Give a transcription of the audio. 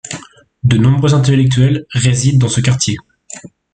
De nombreux intellectuels résident dans ce quartier.